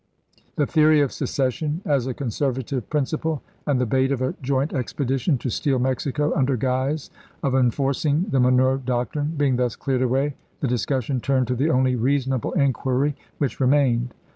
in 7 MagiriS™ ^ne theory of secession as a conservative prin Dpc.'i9r.74' ciple, and the bait of a joint expedition to steal Mexico under guise of enforcing the Monroe Doc trine, being thus cleared away, the discussion turned to the only reasonable inquiry which remained.